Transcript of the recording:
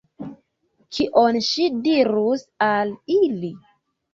Kion ŝi dirus al ili?